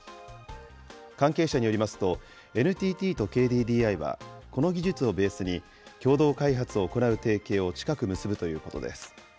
関係者によりますと、ＮＴＴとＫＤＤＩは、この技術をベースに、共同開発を行う提携を近く結ぶということです。